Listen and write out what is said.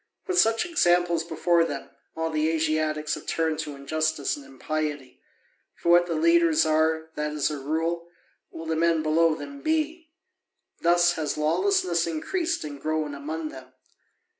With such examples before them, all the Asiatics have turned to injustice and impiety. For what the leaders are, that, as a rule, will the men below them be. Thus has lawlessness increased and grown among them.